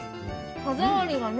歯触りがね